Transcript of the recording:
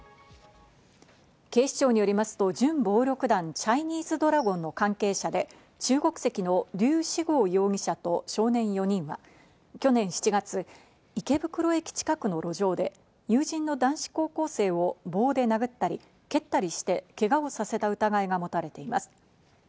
警視庁によりますと、準暴力団チャイニーズドラゴンの関係者で、中国籍のリュウ・シゴウ容疑者と少年４人は、去年７月、池袋駅近くの路上で友人の男子高校生を棒で殴ったり蹴ったりしてけがをさせた疑いが持たれています。